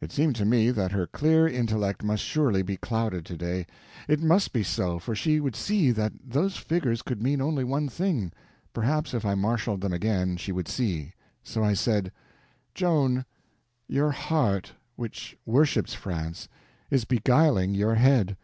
It seemed to me that her clear intellect must surely be clouded to day. It must be so, or she would see that those figures could mean only one thing. Perhaps if I marshaled them again she would see. So I said: "Joan, your heart, which worships France, is beguiling your head.